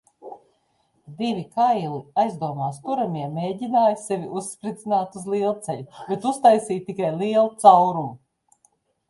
Divi kaili aizdomās turamie mēģināja sevi uzspridzināt uz lielceļa, bet uztaisīja tikai lielu caurumu.